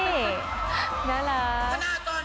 อีฟสงสาธาช่อง